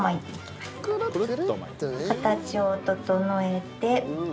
形を整えて。